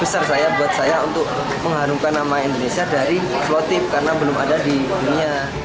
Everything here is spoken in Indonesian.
hal yang besar buat saya untuk mengharumkan nama indonesia dari selotip karena belum ada di dunia